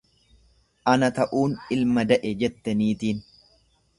Ana ta'uun ilma da'e jette niitiin.